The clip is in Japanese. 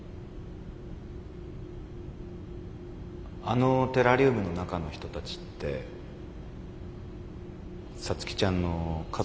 あのテラリウムの中の人たちって皐月ちゃんの家族？